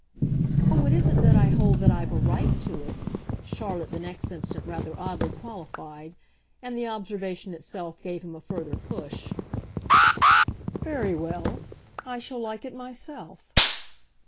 "Oh, it isn't that I hold that I've a RIGHT to it," Charlotte the next instant rather oddly qualified and the observation itself gave him a further push. "Very well I shall like it myself."